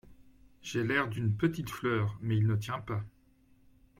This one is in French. J’ai l’air d’une petite fleur ; mais il ne tient pas…